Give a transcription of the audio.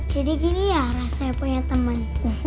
jadi gini ya rasanya punya teman